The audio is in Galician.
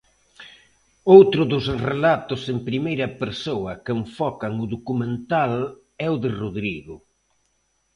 Outro dos relatos en primeira persoa que enfocan o documental é o de Rodrigo.